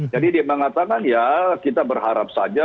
jadi dia mengatakan ya kita berharap saja